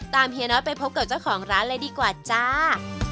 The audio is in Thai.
เฮียน้อยไปพบกับเจ้าของร้านเลยดีกว่าจ้า